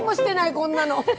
こんなの！